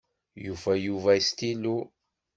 Yufa Yuba astilu.